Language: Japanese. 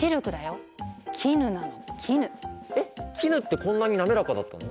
これねえっ絹ってこんなに滑らかだったの？